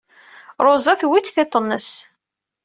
Ṛuza tewwi-tt tiṭ-nnes.